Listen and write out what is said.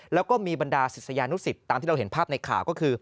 แล้วก็มีบรรดาศิษยานุสิตตามที่เราเห็นภาพในข่าวก็คือ